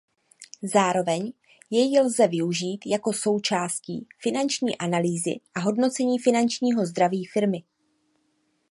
Zároveň jej lze využít jako součástí finanční analýzy a hodnocení finančního zdraví firmy.